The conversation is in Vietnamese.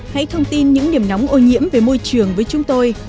hãy thông tin những điểm nóng ô nhiễm về môi trường với chúng tôi